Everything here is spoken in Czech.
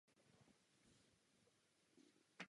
Na firmu mu však zbývalo málo času.